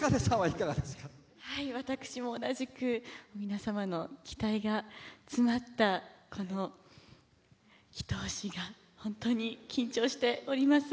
私も同じく皆様の期待が詰まったこのひと押しが本当に緊張しております。